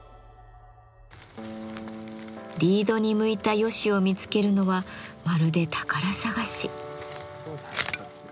リードに向いたヨシを見つけるのはまるで宝探し。